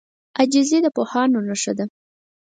عاجزي د پوهانو نښه ده.